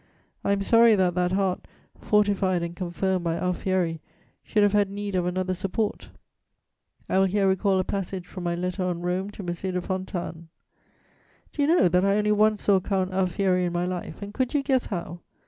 I am sorry that that heart, "fortified and confirmed" by Alfieri, should have had need of another support. I will here recall a passage from my Letter on Rome to M. de Fontanes: "Do you know that I only once saw Count Alfieri in my life, and could you guess how?